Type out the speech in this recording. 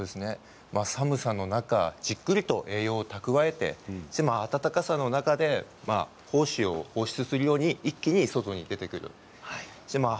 寒さの中じっくりと栄養を蓄えて木の温かさの中で胞子を放出するように一気に外に出てくるんです。